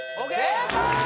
正解！